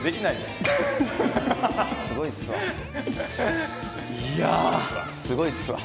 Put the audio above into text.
すごいっすわ。